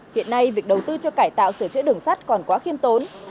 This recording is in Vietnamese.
hiện nay việc đầu tư cho cải tạo sửa chữa đường sắt còn quá khiêm tốn